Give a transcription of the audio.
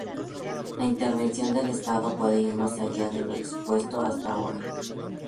La intervención del Estado puede ir más allá de lo expuesto hasta ahora.